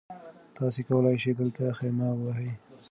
تاسي کولای شئ دلته خیمه ووهئ.